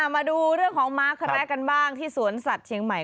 มาดูเรื่องของม้าแคระกันบ้างที่สวนสัตว์เชียงใหม่